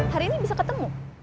hari ini bisa ketemu